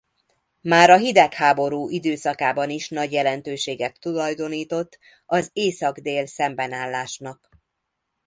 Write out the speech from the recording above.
Már a hidegháború időszakában is nagy jelentőséget tulajdonított az Észak-Dél szembenállásnak.